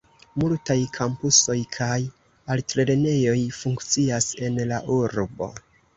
Multaj kampusoj kaj altlernejoj funkcias en la urbo.